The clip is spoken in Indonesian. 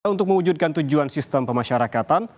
untuk mewujudkan tujuan sistem pemasyarakatan